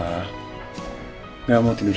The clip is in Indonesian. nggak mau tidur sama bapak di sini